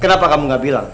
kenapa kamu gak bilang